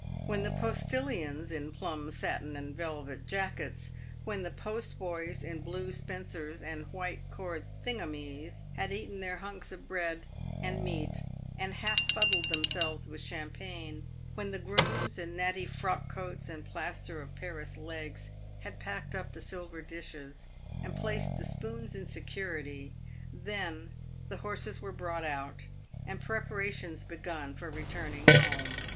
"When the postilions in plum satin and velvet jackets — when the postboys in blue spencers and white cord thing a mees — had eaten their hunks of bread and meat, and half fuddled themselves with champagne — when the grooms in natty frock coats and plaster of Paris legs had packed up the silver dishes, and placed the spoons in security, then the horses were brought out, and preparations begun for returning home.